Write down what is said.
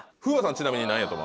ちなみに何位やと思う？